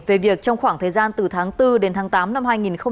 về việc trong khoảng thời gian từ tháng bốn đến tháng tám năm hai nghìn hai mươi